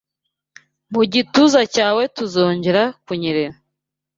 Mu gituza cyawe tuzongera kunyerera